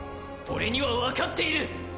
俺にはわかっている！